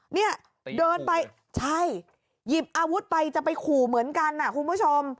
เนี่ยเดินไปใช่หยิบอาวุธไปจะไปขู่เหมือนกันนะคุณผู้ชม